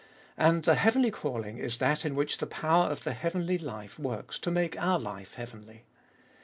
And the heavenly calling is that in which the power of the heavenly life works to make our life heavenly.